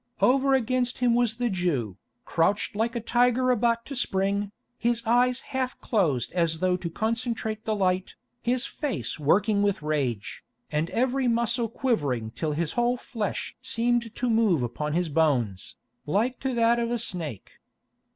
Over against him was the Jew, crouched like a tiger about to spring, his eyes half closed as though to concentrate the light, his face working with rage, and every muscle quivering till his whole flesh seemed to move upon his bones, like to that of a snake.